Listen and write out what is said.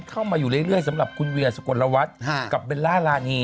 เข้ามาอยู่เรื่อยสำหรับคุณเวียสุกลวัฒน์กับเบลล่ารานี